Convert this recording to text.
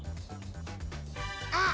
あっ！